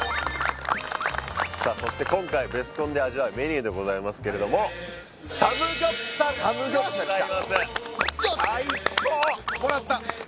さあそして今回ベスコンで味わうメニューでございますけれどもサムギョプサルきたよしよしもらった最高！